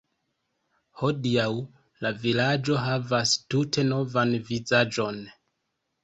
Hodiaŭ la vilaĝo havas tute novan vizaĝon.